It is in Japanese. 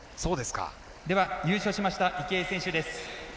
優勝しました池江選手です。